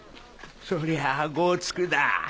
そりゃあごうつくだ。